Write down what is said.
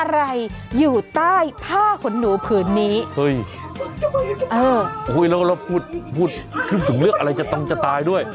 อะไรอยู่ใต้ผ้าขนหูผืนนี้ถูกตายถูกตาย